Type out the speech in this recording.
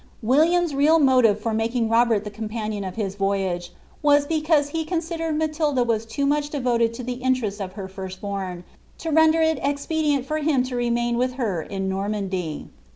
William's real motive for making Robert the companion of liis vorafC, was because he considered Matilda was too much devoted to the iaierest of her firsi bom, to render it expedient for him to remain with her in Normandy.